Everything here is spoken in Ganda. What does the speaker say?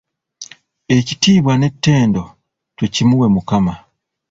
Ekitiibwa n'ettendo tukimuwe Mukama.